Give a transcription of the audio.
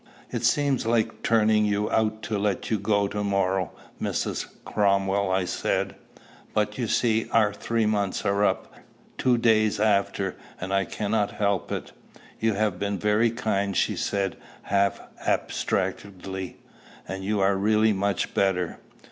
"It seems like turning you out to let you go to morrow, Mrs. Cromwell," I said; "but, you see, our three months are up two days after, and I cannot help it." "You have been very kind," she said, half abstractedly. "And you are really much better.